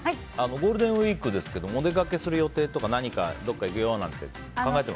ゴールデンウィークですけどもお出かけする予定とか何か、どこか行くよなんて考えてますか？